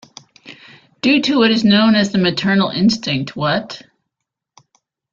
Due to what is known as the maternal instinct, what?